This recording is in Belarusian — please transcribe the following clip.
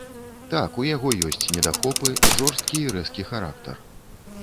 Так, у яго ёсць недахопы, жорсткі і рэзкі характар.